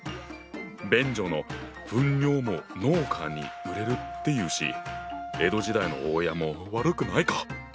便所の糞尿も農家に売れるっていうし江戸時代の大家も悪くないか！